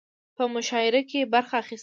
په مشاعره کې برخه اخستل